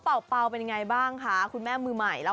น่ารักมากอยากจะบอกน่ารักมากเลย